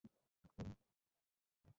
উঠে দাঁড়া, আলসে বুড়ো!